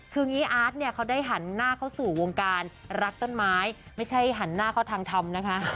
คืองี้อาร์ตเนี่ยเขาได้หันหน้าเข้าสู่วงการรักต้นไม้ไม่ใช่หันหน้าเข้าทางธรรมนะคะ